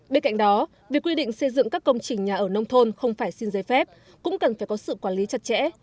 bên cạnh đó việc quy định xây dựng các công trình nhà ở nông thôn không phải xin giấy phép cũng cần phải có sự quản lý chặt chẽ